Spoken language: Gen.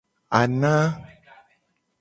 Ana.